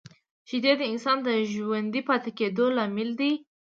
شیدې د انسان د ژوندي پاتې کېدو لامل دي